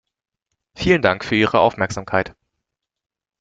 Vielen Dank für Ihre Aufmerksamkeit!